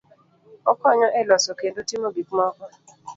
okonyo e loso kendo timo gik moko